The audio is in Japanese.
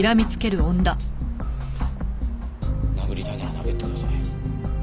殴りたいなら殴ってください。